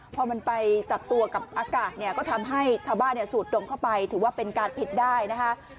พอมันไปจับตัวกับอากาศเนี่ยก็ทำให้ชาวบ้านสูดดมเข้าไปถือว่าเป็นการผิดได้นะคะ